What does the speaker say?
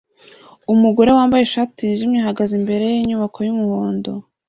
Umugore wambaye ishati yijimye ahagaze imbere yinyubako yumuhondo